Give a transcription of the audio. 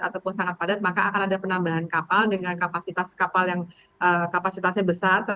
ataupun sangat padat maka akan ada penambahan kapal dengan kapasitas kapal yang kapasitasnya besar